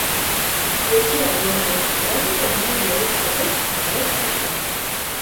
Երգի ալբոմային տարբերակը տևում է երեք րոպե քսանվեց վայրկյան։